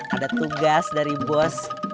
ada tugas dari bos